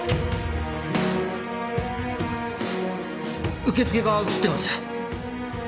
受付が映ってます。